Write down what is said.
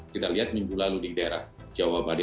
kita lihat minggu lalu di daerah jawa bali